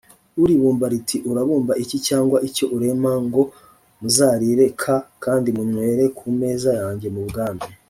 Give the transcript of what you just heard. uribumba riti urabumba iki cyangwa icyo uremango muzarire k kandi munywere ku meza yanjye mu bwami